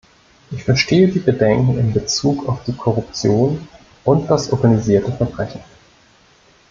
Ich verstehe die Bedenken in Bezug auf die Korruption und das organisierte Verbrechen.